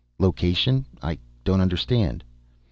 "Location I don't understand."